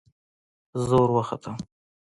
زه وروختم.